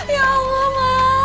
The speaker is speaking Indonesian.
ya allah pak